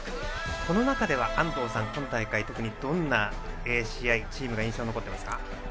この中では、安藤さん今大会は特にどんな試合、チームが印象に残っていますか。